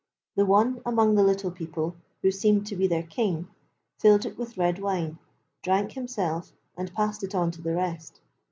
The one among the Little People, who seemed to be their king, filled it with red wine, drank himself, and passed it on to the rest.